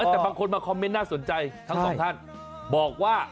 แต่บางคนมาคอมเมนต์น่าสนใจทั้งสองท่านบอกว่า